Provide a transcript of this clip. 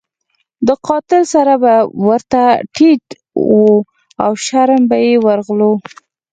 د قاتل سر به ورته ټیټ وو او شرم به یې ورغلو.